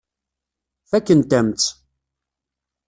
Fakkent-am-tt.